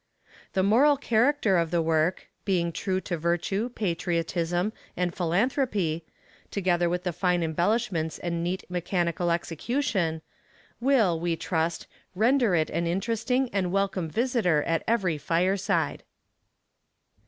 The moral character of the work, being true to virtue, patriotism, and philanthropy together with the fine embellishments and neat mechanical execution will, we trust, render it an interesting and welcome visitor at every fireside.